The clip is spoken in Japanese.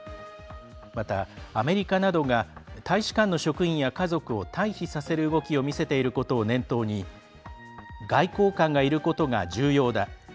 また、アメリカなどが大使館の職員や家族を退避させる動きを見せていることを念頭に外交官がいることが重要だ。